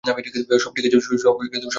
সব ঠিক আছে, ডার্লিং।